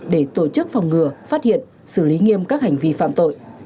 để tổ chức phòng ngừa phát hiện xử lý nghiêm các hành vi phạm tội